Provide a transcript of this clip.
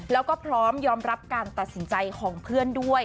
แล้วก็พร้อมยอมรับการตัดสินใจของเพื่อนด้วย